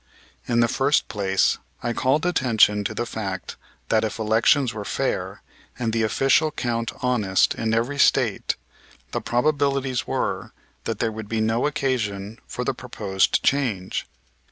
In the first place I called attention to the fact that if elections were fair, and the official count honest in every State, the probabilities were that there would be no occasion for the proposed change.